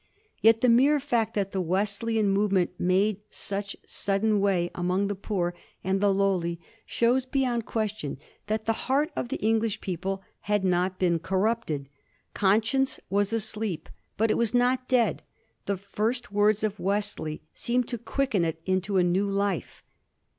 Yet the mere fact that the Wesleyan movement made such sudden way among the poor and the lowly shows beyond question that the heart of the English people had not been corrupted. Conscience was asleep, but it was not dead. The first words of Wesley seemed to quicken it into a new life.